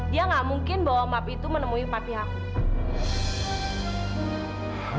dia nggak mungkin bawa map itu menemui papi aku